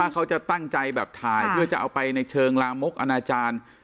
เขาจะตั้งใจแบบถ่ายเพื่อจะเอาไปในเชิงลามกอนาจารย์